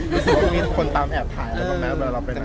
รู้สึกว่ามีคนตามแอบถ่ายแล้วก็แม่ง